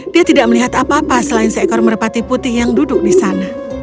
dia tidak melihat apa apa selain seekor merpati putih yang duduk di sana